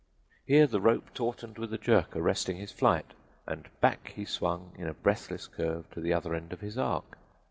Here the rope tautened with a jerk, arresting his flight, and back he swung in a breathless curve to the other end of his arc.